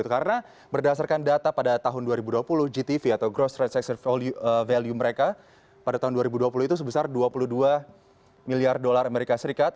karena berdasarkan data pada tahun dua ribu dua puluh gtv atau gross trade sector value mereka pada tahun dua ribu dua puluh itu sebesar dua puluh dua miliar dolar amerika serikat